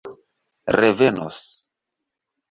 revenos